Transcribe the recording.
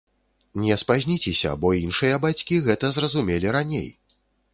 Не спазніцеся, бо іншыя бацькі гэта зразумелі раней.